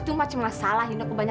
tunggu pedes ya